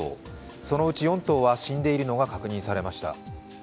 そのうち４頭は死んでいるのが確認されました。